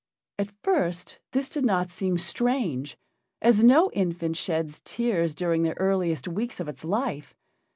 At first this did not seem strange, as no infant sheds tears during the earliest weeks of its life.